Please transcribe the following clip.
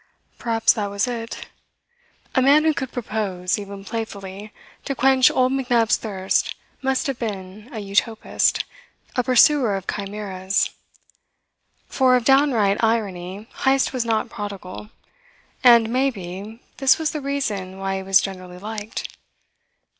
Perhaps that was it. A man who could propose, even playfully, to quench old McNab's thirst must have been a utopist, a pursuer of chimeras; for of downright irony Heyst was not prodigal. And, may be, this was the reason why he was generally liked.